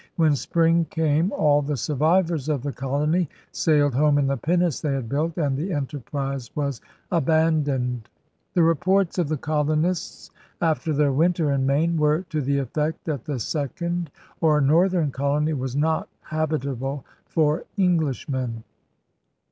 When spring came all the survivors of the colony sailed home in the pinnace they had built and the enterprise was abandoned. The reports of the colonists, after their winter in Maine, were to the effect that the second or northern colony was 'not habitable for Englishmen.